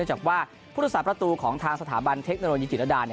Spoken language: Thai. จากว่าผู้รักษาประตูของทางสถาบันเทคโนโลยีจิตรดา